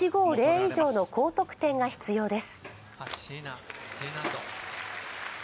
以上の高得点が必要です。